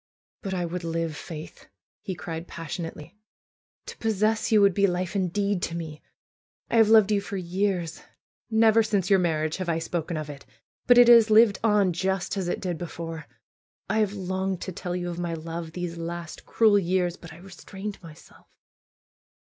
"But I would live. Faith!" he cried, passionately. "To possess you would be life indeed to me. I have loved you for years. Never since your marriage have I spoken of it ; but it has lived on just as it did before. I have longed to tell you of my love these last, cruel years! But I restrained myself."